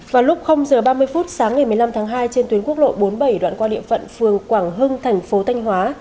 vào lúc h ba mươi sáng ngày một mươi năm tháng hai trên tuyến quốc lộ bốn mươi bảy đoạn qua địa phận phường quảng hưng tp thanh hóa